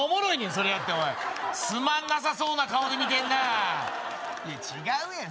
それやっておいつまんなさそうな顔で見てんないや違うやん